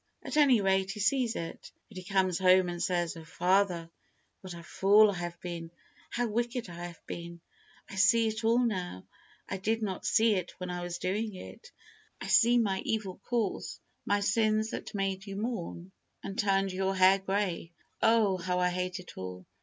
At any rate he sees it, and he comes home and says, "Oh! father, what a fool I have been; how wicked I have been. I see it all now I did not see it when I was doing it. I see my evil course, my sins that made you mourn, and turned your hair grey. Oh! how I hate it all.